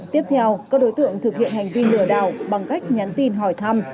tiếp theo các đối tượng thực hiện hành vi lừa đảo bằng cách nhắn tin hỏi thăm